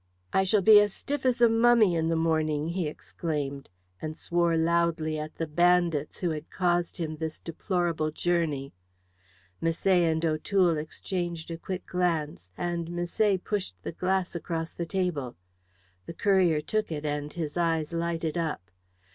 "I shall be as stiff as a mummy in the morning," he exclaimed, and swore loudly at "the bandits" who had caused him this deplorable journey. Misset and O'Toole exchanged a quick glance, and Misset pushed the glass across the table. The courier took it, and his eyes lighted up.